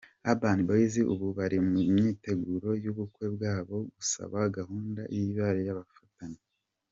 Urban Boys ubu bari mu myiteguro y'ubukwe bwabo gusa gahunda bihaye yabapfanye.